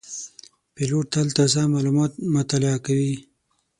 پیلوټ تل تازه معلومات مطالعه کوي.